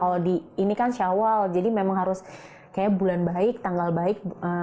kalau di ini kan syawal jadi memang harus kayaknya bulan baik tanggal baik